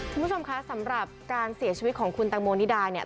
คุณผู้ชมคะสำหรับการเสียชีวิตของคุณแตงโมนิดาเนี่ย